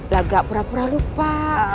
lagak pura pura lupa